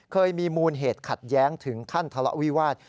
เคยมีมูลเหตุขัดแย้งถึงขั้นทะเลาะวิวาส